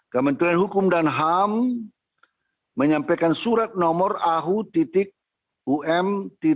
kementerian hukum dan ham menyampaikan surat nomor ahu um tiga